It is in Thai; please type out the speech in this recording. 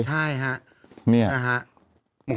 ใช่ฮะ